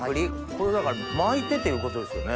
これだから巻いてっていうことですよね。